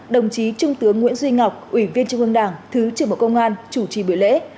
đồng chí trung tướng nguyễn duy ngọc ủy viên trung ương đảng thứ trưởng bộ công an chủ trì buổi lễ